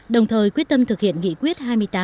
đồng thời quyết tâm thực hiện nghị quyết hai mươi tám